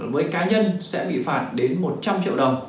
với cá nhân sẽ bị phạt đến một trăm linh triệu đồng